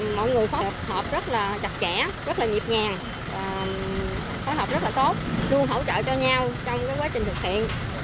mọi người phối hợp rất là chặt chẽ rất là nhịp nhàng phối hợp rất là tốt luôn hỗ trợ cho nhau trong quá trình thực hiện